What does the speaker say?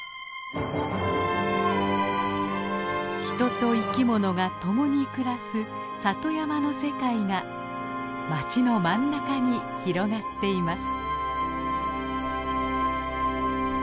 人と生きものが共に暮らす里山の世界が街の真ん中に広がっています。